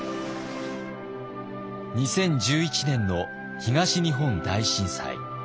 ２０１１年の東日本大震災。